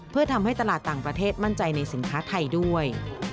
เพื่อทำให้ตลาดต่างประเทศมั่นใจในสินค้าไทยด้วย